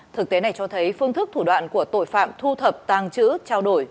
thực tế này cho thấy phương thức thủ đoạn của tội phạm thu thập tàng chữ trao đổi